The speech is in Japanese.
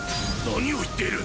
何を言っている！